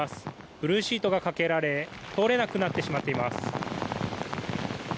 ブルーシートがかけられ通れなくなってしまっています。